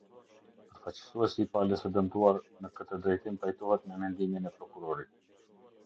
Përfaqësuesi i palës se dëmtuar ne këtë drejtim pajtohet me mendimin e prokurori.